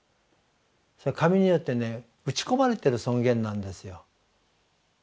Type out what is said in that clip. それは神によってね打ち込まれてる尊厳なんですよ。